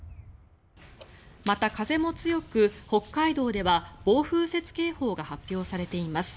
また風も強く、北海道では暴風雪警報が発表されています。